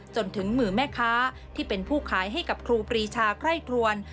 จนถึงมือแม่ค้าที่เป็นผู้ขายให้กับครูปรีชาไคร่ครวน